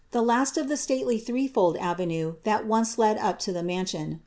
the last of the stately threefold iTenne ihit onee led up to thr inanfion.